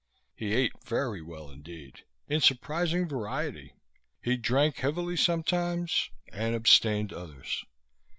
He ate very well indeed in surprising variety. He drank heavily sometimes and abstained others.